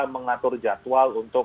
mengatur jadwal untuk